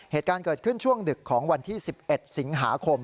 เหตุการณ์เกิดขึ้นช่วงดึกของวันที่๑๑สิงหาคม